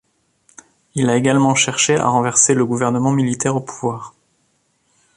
Il a également cherché à renverser le gouvernement militaire au pouvoir.